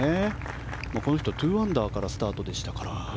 この人、２アンダーからスタートでしたから。